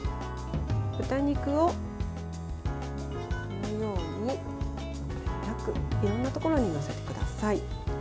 豚肉をこのようにまんべんなくいろんなところに載せてください。